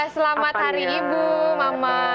selamat hari ibu mama